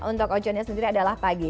untuk oconnya sendiri adalah pagi